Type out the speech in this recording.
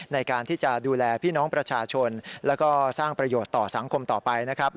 ในการที่จะดูแลพี่น้องประชาชนแล้วก็สร้างประโยชน์ต่อสังคมต่อไปนะครับ